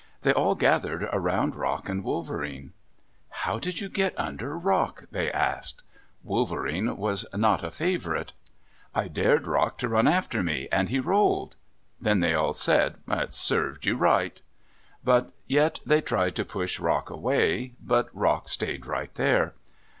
They all gathered around Rock and Wolverene. "How did you get under Rock?" they asked. Wolverene was not a favorite. Wolverene said, "I dared Rock to run after me, and he rolled." Then they all said, "It served you right." But yet they tried to push Rock away. Rock stayed right there.